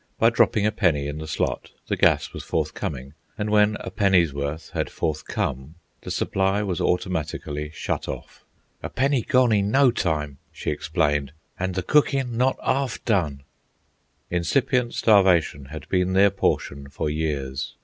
By dropping a penny in the slot, the gas was forthcoming, and when a penny's worth had forthcome the supply was automatically shut off. "A penny gawn in no time," she explained, "an' the cookin' not arf done!" Incipient starvation had been their portion for years.